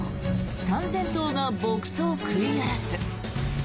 ３０００頭が牧草食い荒らす。